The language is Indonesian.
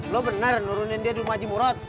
lo bener nurunin dia di rumah aji murad